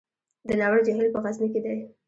د ناور جهیل په غزني کې دی